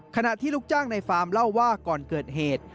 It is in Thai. ขณะที่ลูกจ้างในฟาร์มเล่าว่าก่อนเกิดเหตุ